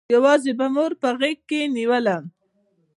يوازې به مور په غېږ کښې نېولم.